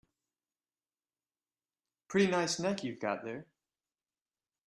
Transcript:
Pretty nice neck you've got there.